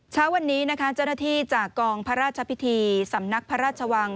เช้าวันนี้นะคะเจ้าหน้าที่จากกองพระราชพิธีสำนักพระราชวัง